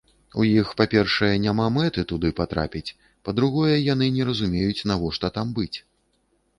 У іх, па-першае, няма мэты туды патрапіць, па-другое, яны не разумеюць, навошта там быць.